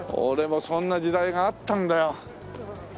俺もそんな時代があったんだよ。